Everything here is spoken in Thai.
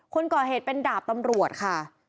คนก่อเหตุเป็นดาบตำรวจค่ะ